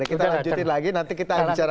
kita lanjutin lagi nanti kita bicara